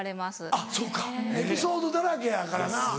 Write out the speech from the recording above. あっそうかエピソードだらけやからな。